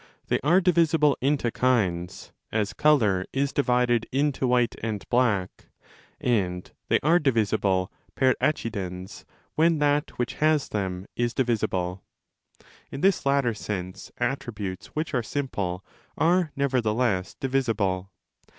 They are divisible into kinds, as colour is divided into white and black, and they are divisible per accidens when that which has them is divisible. In this latter sense attributes which are simple® are nevertheless divisible.